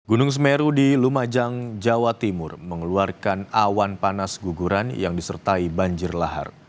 gunung semeru di lumajang jawa timur mengeluarkan awan panas guguran yang disertai banjir lahar